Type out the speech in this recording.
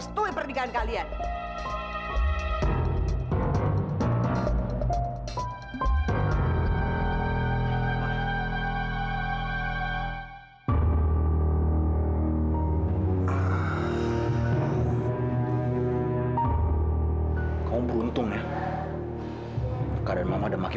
sejak kapan kamu jadi rajin